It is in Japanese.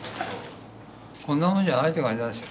こんなもんじゃないって感じなんですよ。